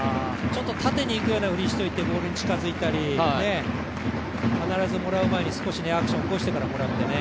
縦に行くようなふりをしておいてボールに近づいたり、必ず、もらう前に少しアクションを起こしてからもらうんでね。